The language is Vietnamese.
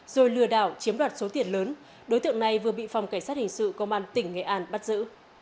rồi lừa đảo chiếm đoạt số tiền lớn đối tượng này vừa bị phòng cảnh sát hình sự công an tỉnh nghệ an bắt giữ